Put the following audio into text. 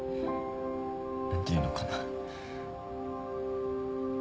何ていうのかな。